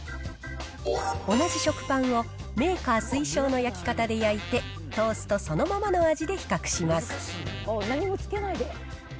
同じ食パンをメーカー推奨の焼き方で焼いて、トーストそのままの味で比較します。